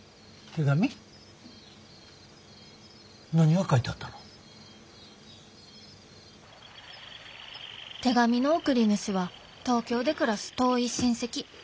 手紙の送り主は東京で暮らす遠い親戚。